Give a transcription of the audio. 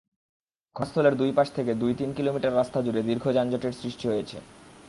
ঘটনাস্থলের দুই পাশে দুই থেকে তিন কিলোমিটার রাস্তা জুড়ে দীর্ঘ যানজটের সৃষ্টি হয়েছে।